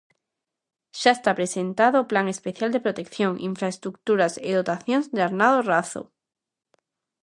Xa está presentado o plan especial de protección, infraestruturas e dotacións de Arnado-Razo.